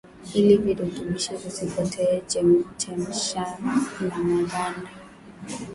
ili virutubishi visipotee chemsha na maganda